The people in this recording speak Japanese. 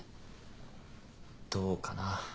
どうかな。